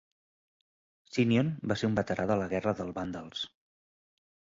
Sinnion va ser un veterà de la guerra del Vàndals.